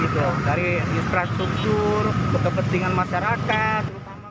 dari infrastruktur kepentingan masyarakat